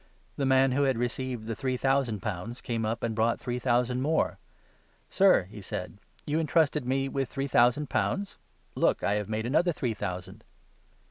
The man who had received the three thousand 20 pounds came up and brpught three thousand more. ' Sir,' he said, ' you entrusted me with three thousand pounds ; look, I have made another three thousand